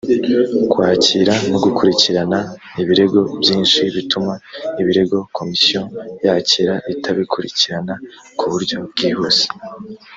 kwakira no gukurikirana ibirego byinshi bituma ibirego komisiyo yakira itabikurikirana ku buryo bwihuse